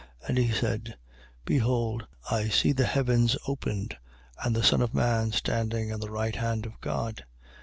And he said: Behold, I see the heavens opened and the Son of man standing on the right hand of God.